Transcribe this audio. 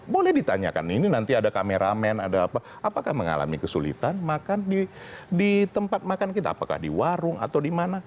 boleh ditanyakan ini nanti ada kameramen apakah mengalami kesulitan makan di tempat makan kita apakah di warung atau di mana